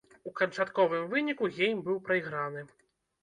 У канчатковым выніку гейм быў прайграны.